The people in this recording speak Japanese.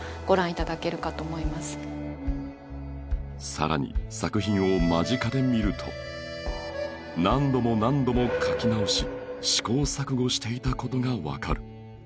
さらに作品を間近で見ると何度も何度も描き直し試行錯誤していたことが分かる